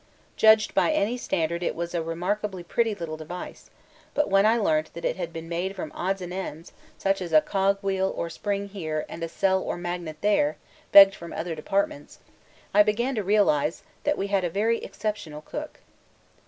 Judged by any standard it was a remarkably pretty little device, but when I learnt that it had been made from odds and ends, such as a cog wheel or spring here and a cell or magnet there, begged from other departments, I began to realise that we had a very exceptional cook.